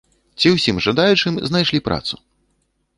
Ці ўсім жадаючым знайшлі працу?